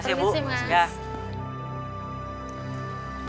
terima kasih mas